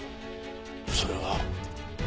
それは。